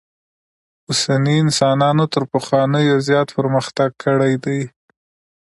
اوسني انسانانو تر پخوانیو زیات پرمختک کړی دئ.